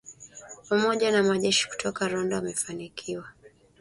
pamoja na majeshi kutoka Rwanda wamefanikiwa